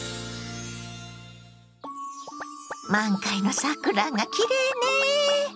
満開の桜がきれいね。